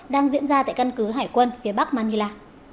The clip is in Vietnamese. đang diễn ra tại căn cứ hải quân phía bắc manila